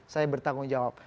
saya bertanggung jawab